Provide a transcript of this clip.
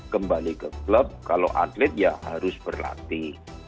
kembali ke klub kalau atlet ya harus berlatih